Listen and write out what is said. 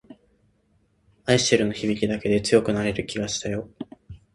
愛してるの響きだけで強くなれる気がしたよ